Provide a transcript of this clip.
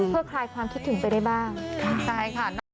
เพื่อคลายความคิดถึงไปได้บ้าง